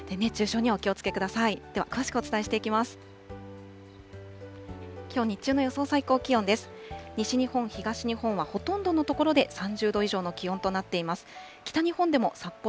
熱中症にはお気をつけください。